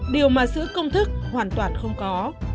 điều mà sữa công thức hoàn toàn không có